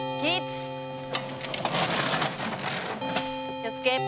気をつけ！